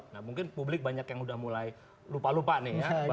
nah mungkin publik banyak yang udah mulai lupa lupa nih ya